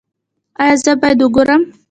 ایا زه باید وګورم؟